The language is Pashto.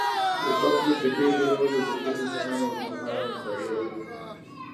ګوبک لي تپې جوړول د زرګونو انسانانو اوږد مهاله همکاري وه.